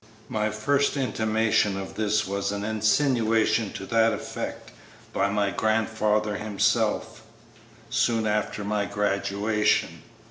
My first intimation of this was an insinuation to that effect by my grandfather himself, soon after my graduation.